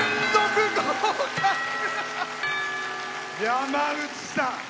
山内さん。